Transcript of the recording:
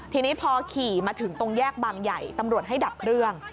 ทีนี้พอขี่มาถึงตรงแยกบางใหญ่ตำรวจให้ดับเครื่อง